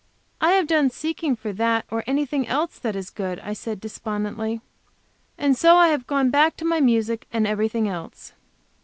"I have done seeking for that or anything else that is good," I said, despondently. "And so I have gone back to my music and everything else."